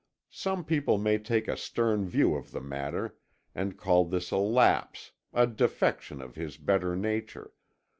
Some people may take a stern view of the matter and call this a lapse, a defection of his better nature.